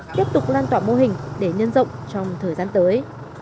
tiếp tục lan tỏa mô hình để nhân rộng trong thời gian tới